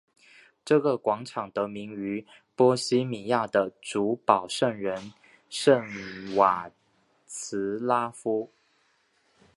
这个广场得名于波希米亚的主保圣人圣瓦茨拉夫。